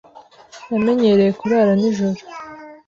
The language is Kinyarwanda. Namenyereye kurara nijoro.